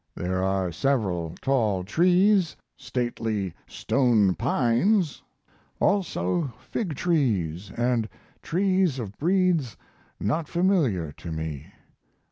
There are several tall trees, stately stone pines, also fig trees & trees of breeds not familiar to me.